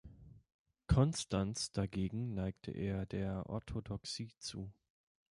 Constans dagegen neigte eher der Orthodoxie zu.